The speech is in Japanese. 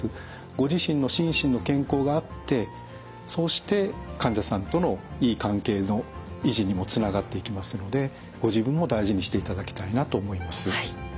ご自身の心身の健康があってそして患者さんとのいい関係の維持にもつながっていきますのでご自分を大事にしていただきたいなと思います。